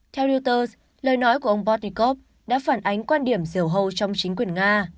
theo reuters lời nói của ông botnikov đã phản ánh quan điểm rìu hâu trong chính quyền nga